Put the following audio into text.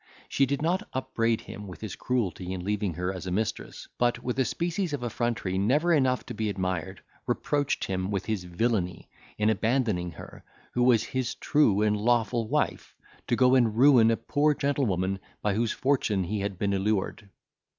She did not upbraid him with his cruelty in leaving her as a mistress, but, with a species of effrontery never enough to be admired, reproached him with his villany, in abandoning her, who was his true and lawful wife, to go and ruin a poor gentlewoman, by whose fortune he had been allured.